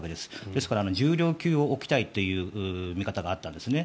ですから重量級を置きたいという見方があったんですね。